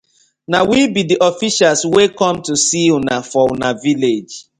Na we bi di officials wey com to see una for una village.